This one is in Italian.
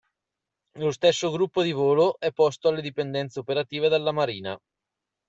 Lo stesso gruppo di volo è posto alle dipendenze operative della Marina.